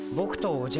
おじゃ？